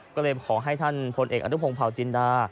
ก็เลยขอให้ท่านพลเอกอนุพงศ์เผาจินดา